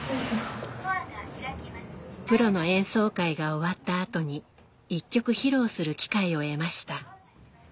プロの演奏会が終わったあとに一曲披露する機会を得ました。